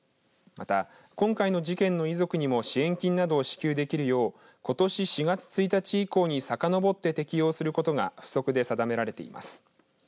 また今回の事件の遺族にも支援金などを支給できるようことし４月１日以降にさかのぼって適用することが付則で定められています。